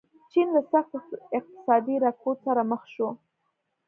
چین له سخت اقتصادي رکود سره مخ شو.